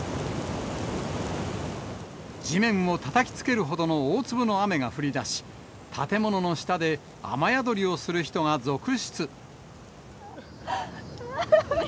地面をたたきつけるほどの大粒の雨が降りだし、建物の下で雨宿りをする人が続出。